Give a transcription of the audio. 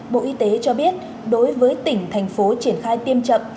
bộ y tế cho biết đối với tỉnh thành phố triển khai tiêm chậm